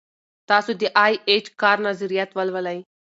تاسو د ای اېچ کار نظریات ولولئ.